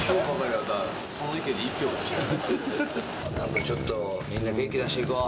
ちょっと、みんな元気出していこう。